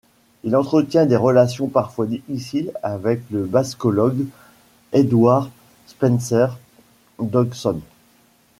Il entretient des relations parfois difficiles avec le bascologue Edward Spencer Dodgson.